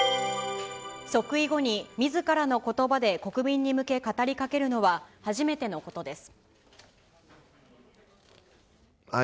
即位後に、みずからのことばで国民に向け、語りかけるのは初めてのことです。